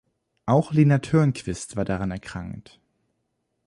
Auch Lena Törnqvist war daran erkrankt.